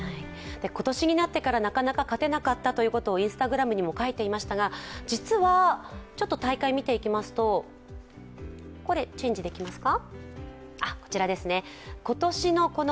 今年になってからなかなか勝てなかったということをＩｎｓｔａｇｒａｍにも書いていましたが実は、大会を見ていきますと１回、１回を最後かもしれないという思いで遠征していました。